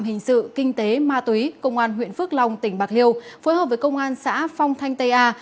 hình sự kinh tế ma túy công an huyện phước long tỉnh bạc liêu phối hợp với công an xã phong thanh tây a